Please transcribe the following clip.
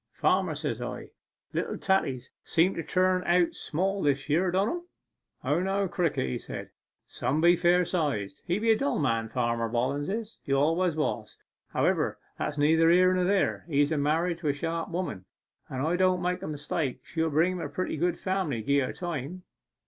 "Farmer," says I, "little taties seem to turn out small this year, don't em?" "O no, Crickett," says he, "some be fair sized." He's a dull man Farmer Bollens is he always was. However, that's neither here nor there; he's a married to a sharp woman, and if I don't make a mistake she'll bring him a pretty good family, gie her time.